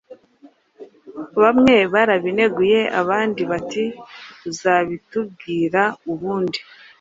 bamwe barabineguye, abandi bati ‘Uzabitubwira ubundi.’.